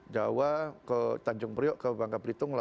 jawa ke tanjung priok ke bangka belitung